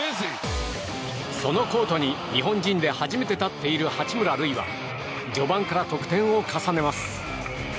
そのコートに日本人で初めて立っている八村塁は序盤から得点を重ねます。